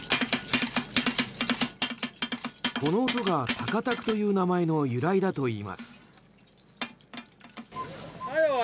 この音がタカタクという名前の由来だといいます。